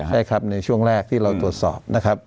ใช่ครับในช่วงแรกที่เราตรวจสอบนะครับ